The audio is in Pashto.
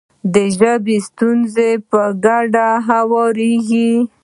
د ژبې ستونزې په ګډ کار هواریږي.